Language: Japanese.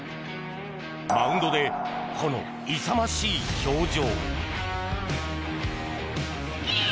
マウンドで、この勇ましい表情。